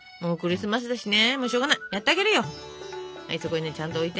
はいそこにねちゃんと置いて。